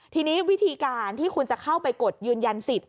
ทีนี้วิธีการที่คุณจะเข้าไปกดยืนยันสิทธิ